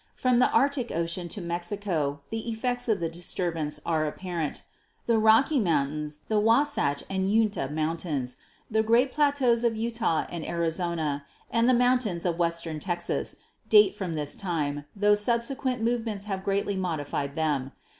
From the Arctic Ocean to Mexico the effects of the disturbance were apparent. The Rocky Mountains, the Wasatch and Uinta ranges, the high plateaus of Utah and Arizona and the mountains of western Texas date from this time, tho subsequent movements have greatly modified them.